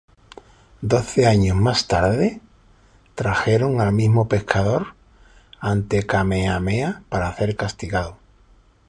Doce años más tarde, trajeron al mismo pescador ante Kamehameha para ser castigado.